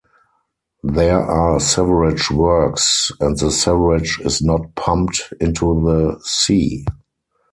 There are sewerage works and the sewerage is not pumped into the sea.